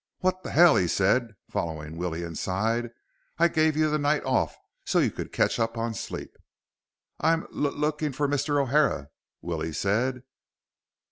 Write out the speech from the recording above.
"What the hell?" he said, following Willie inside. "I gave you the night off so you could catch up on sleep." "I'm l looking for Mr. O'Hara," Willie said.